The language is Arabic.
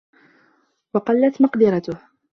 وَقَلَّتْ مَقْدِرَتُهُ